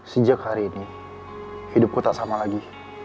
sejak hari ini hidupku tak sama lagi